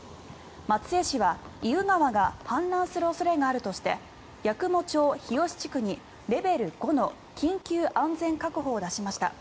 松江市は意宇川が氾濫する恐れがあるとして八雲町日吉地区にレベル５の緊急安全確保を出しました。